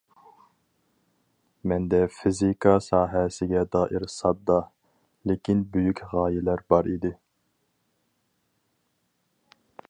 مەندە فىزىكا ساھەسىگە دائىر ساددا، لېكىن بۈيۈك غايىلەر بار ئىدى.